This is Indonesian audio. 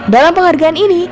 dalam penghargaan ini